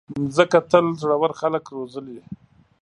مځکه تل زړور خلک روزلي.